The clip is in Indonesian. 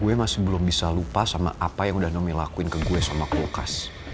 gue masih belum bisa lupa sama apa yang udah nomi lakuin ke gue sama kulkas